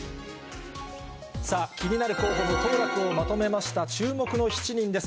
さあ、気になる候補の当落をまとめました、注目の７人です。